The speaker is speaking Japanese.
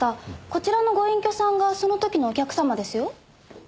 こちらのご隠居さんがその時のお客様ですよ。